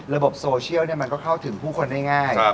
ระบบโซเชียลก็เข้าถึงผู้คนง่าย